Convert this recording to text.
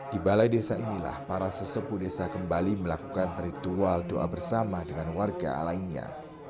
di balai desa inilah para sesepu desa kembali melakukan ritual doa bersama dengan warga lainnya